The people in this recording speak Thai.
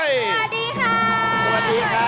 สวัสดีค่ะ